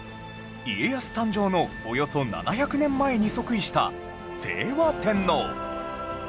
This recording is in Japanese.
家康誕生のおよそ７００年前に即位した清和天皇